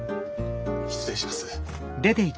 失礼します。